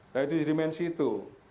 dari tujuh dimensi itu